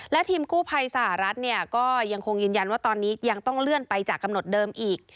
และทีมกู้ภัยสหรัฐเนี่ยก็ยังคงยืนยันว่าตอนนี้ยังต้องเลื่อนไปจากกำหนดเดิมอีก